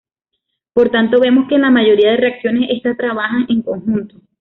Por tanto vemos que en la mayoría de reacciones, estas trabajan en conjunto.